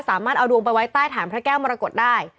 สามารถเอาดวงไปไว้ใต้ฐานพระแก้วมรกฏได้